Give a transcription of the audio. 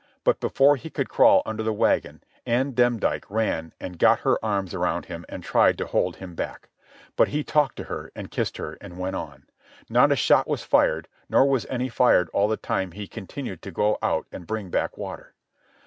But before he could crawl under the wagon Ann Demdike ran and got her arms around him and tried to hold him back. But he talked to her, and kissed her, and went on. Not a shot was fired, nor was any fired all the time he continued to go out and bring back water.